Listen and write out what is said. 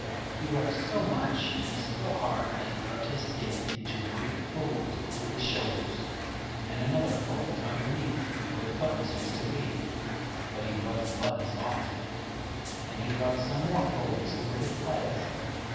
He rubbed so much and so hard that he rubbed his skin into a great fold over his shoulders, and another fold underneath, where the buttons used to be (but he rubbed the buttons off), and he rubbed some more folds over his legs.